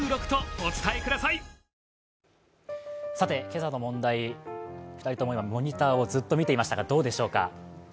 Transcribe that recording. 今朝の問題、２人とも今、モニターをずっと見ていましたがどうでしょうか？